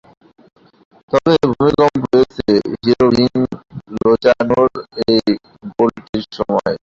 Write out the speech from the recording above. তবে ভূমিকম্প হয়েছে হিরভিং লোজানোর ওই গোলটির সময়ই।